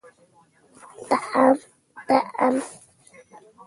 دا د جګړې د منطق هغه نقطه ده.